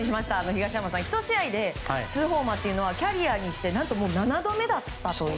東山さん１試合で２ホーマーというのはキャリアにして何と７度目だったと。